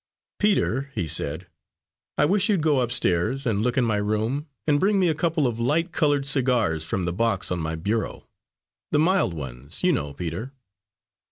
"Peter," he said, "I wish you'd go upstairs, and look in my room, and bring me a couple of light coloured cigars from the box on my bureau the mild ones, you know, Peter."